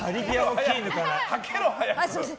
はけろ！早く。